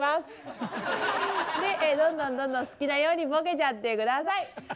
でどんどんどんどん好きなようにボケちゃって下さい。